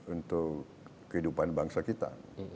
untuk kehidupan bangsa kita